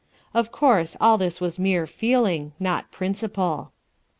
Of course all this was mere feeling, not principle.